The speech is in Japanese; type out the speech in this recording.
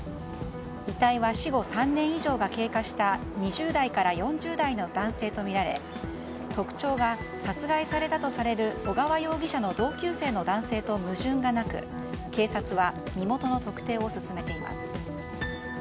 遺体は死後３年以上が経過した２０代から４０代の男性とみられ特徴が、殺害されたとされる小川容疑者の同級生の男性と矛盾がなく、警察は身元の特定を進めています。